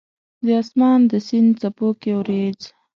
د اسمان د سیند څپو کې اوریځ